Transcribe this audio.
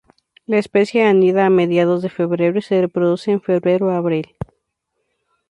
La especie anida a mediados de febrero y se reproduce en febrero-abril.